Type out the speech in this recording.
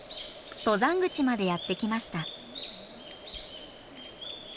登山口までやって来ました。